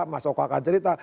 mas oko akan cerita